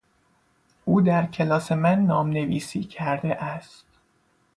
او در کلاس من نامنویسی کرده است.